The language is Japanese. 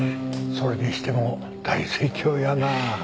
それにしても大盛況やなあ。